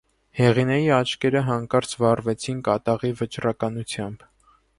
Հեղինեի աչքերը հանկարծ վառվեցին կատաղի վճռականությամբ: